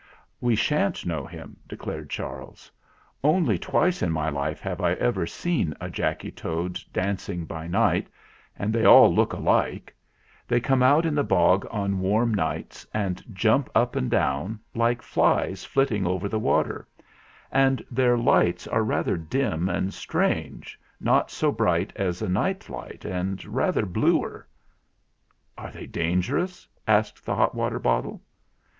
"We sha'n't know him," declared Charles. "Only twice in my life have I ever seen a Jacky Toad dancing by night; and they all look alike. They come out in the bog on warm nights and jump up and down, like flies flitting over the water ; and their lights are rather dim and strange not so bright as a night light and rather bluer." 204 THE FLINT HEART "Are they dangerous?" asked the hot water bottle.